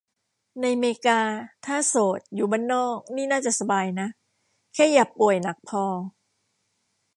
ในเมกา ถ้าโสด อยู่บ้านนอก นี่น่าจะสบายนะ แค่อย่าป่วยหนักพอ